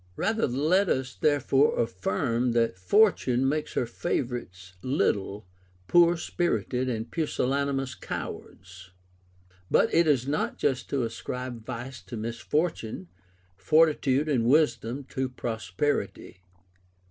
4. Rather let us therefore affirm that Fortune makes her favorites little, poor spirited, and pusillanimous cowards. But it is not just to ascribe vice to misfortune, fortitude and wisdom to prosperity.